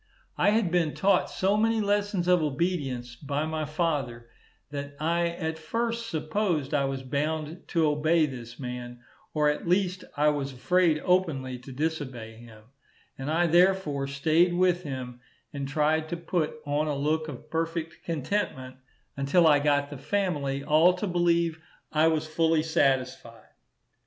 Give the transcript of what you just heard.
I had been taught so many lessons of obedience by my father, that I at first supposed I was bound to obey this man, or at least I was afraid openly to disobey him; and I therefore staid with him, and tried to put on a look of perfect contentment until I got the family all to believe I was fully satisfied.